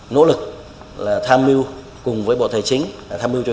nỗ lực tham mưu cùng với bộ tài chính tham mưu cho